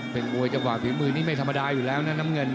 เป็นมวยจังหวะฝีมือนี้ไม่ธรรมดาอยู่แล้วนะน้ำเงิน